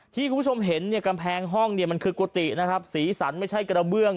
ที่คุณผู้ชมเห็นกำแพงห้องมันคือกุฏิสีสันไม่ใช่กระเบื้อง